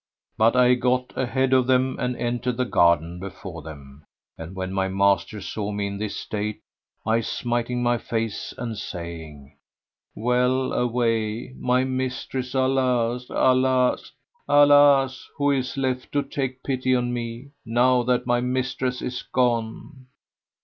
But I got ahead of them; and entered the garden before them, and when my master saw me in this state, I smiting my face and saying, "Well away! my mistress! Alas! Alas! Alas! who is left to take pity on me, now that my mistress is gone?